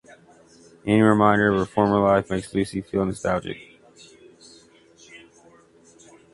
Any reminder of her former life makes Lucy feel nostalgic.